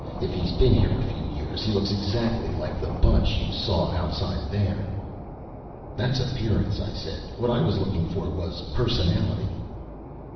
If he's been here a few years, he looks exactly like the bunch you saw outside there." "That's appearance," I said. "What I was looking for was personality."